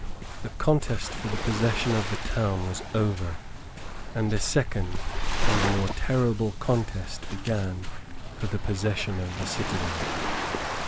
The contest for the possession of the town was over; and a second and more terrible contest began for the possession of the citadel.